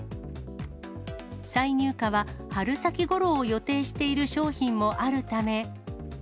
再入荷は春先ごろを予定している商品もあるため。